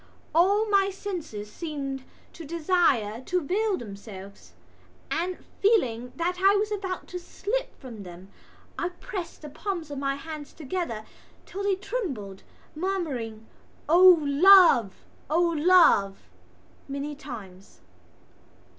All my senses seemed to desire to veil themselves and, feeling that I was about to slip from them, I pressed the palms of my hands together until they trembled, murmuring: "O love! O love!" many times.